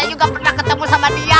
saya juga pernah ketemu sama dia